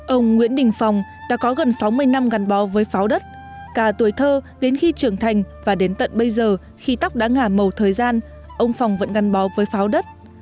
ông nguyễn đình phong đã có gần sáu mươi năm gắn bó với pháo đất cả tuổi thơ đến khi trưởng thành và đến tận bây giờ khi tóc đã ngả màu thời gian ông phòng vẫn ngăn bó với pháo đất